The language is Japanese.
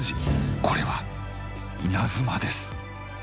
これは稲妻です。